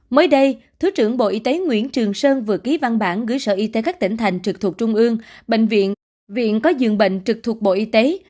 mới đây thứ trưởng bộ y tế nguyễn trường sơn vừa ký văn bản gửi sở y tế các tỉnh thành trực thuộc trung ương bệnh viện viện có dường bệnh trực thuộc bộ y tế